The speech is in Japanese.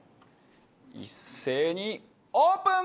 一斉にオープン！